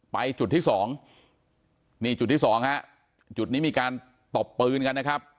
จุดที่สองนี่จุดที่สองฮะจุดนี้มีการตบปืนกันนะครับ